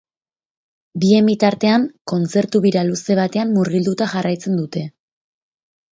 Bien bitartean, kontzertu bira luze batean murgilduta jarraitzen dute.